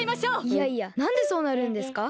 いやいやなんでそうなるんですか？